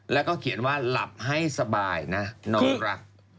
แล้วก็เขียนว่าหลับให้สบายนะน้องรัก